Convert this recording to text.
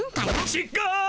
ちっがう！